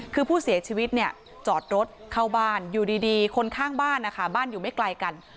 คือผู้เสียชีวิตเนี่ยจอดรถเข้าบ้านอยู่ดีคนข้างบ้านนะคะบ้านอยู่ไม่ไกลกัน